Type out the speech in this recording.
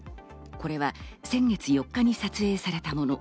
これは先月４日に撮影されたもの。